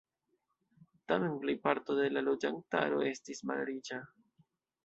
Tamen, plejparto de la loĝantaro estis malriĉa.